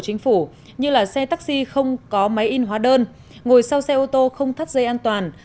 chính phủ như là xe taxi không có máy in hóa đơn ngồi sau xe ô tô không thắt dây an toàn